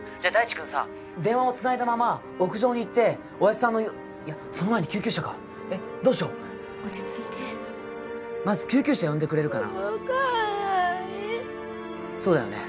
君さ電話をつないだまま屋上に行っておやっさんのいやその前に救急車かえっどうしよう落ち着いてまず救急車呼んでくれるかな分かんないそうだよね